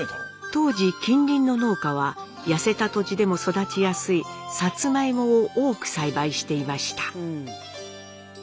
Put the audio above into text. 当時近隣の農家は痩せた土地でも育ちやすいサツマイモを多く栽培していました。